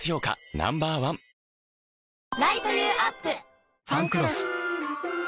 ＮＯ．１「ファンクロス」